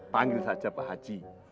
panggil saja pak haji